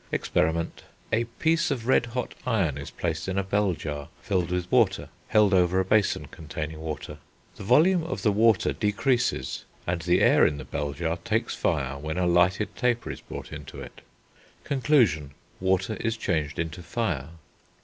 Experiment. A piece of red hot iron is placed in a bell jar, filled with water, held over a basin containing water; the volume of the water decreases, and the air in the bell jar takes fire when a lighted taper is brought into it. Conclusion. Water is changed into fire.